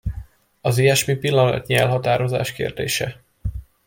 Az ilyesmi pillanatnyi elhatározás kérdése.